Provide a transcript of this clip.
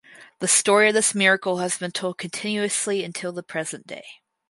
The story of this miracle has been told continuously until the present day.